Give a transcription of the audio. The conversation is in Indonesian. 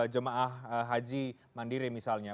jemaah haji mandiri misalnya